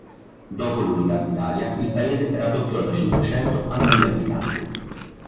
Dopo l'unità d'Italia, il paese raddoppiò da cinquecento a mille abitanti.